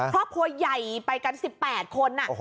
ครอบครัวใหญ่ไปกัน๑๘คน